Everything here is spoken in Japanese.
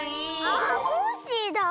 あコッシーだ！